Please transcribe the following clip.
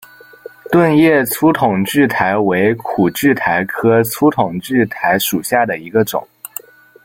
盾叶粗筒苣苔为苦苣苔科粗筒苣苔属下的一个种。